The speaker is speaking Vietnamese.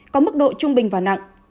có mức độ trung bình và nặng